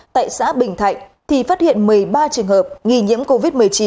tại xã bình thạnh thì phát hiện một mươi ba trường hợp nghi nhiễm covid một mươi chín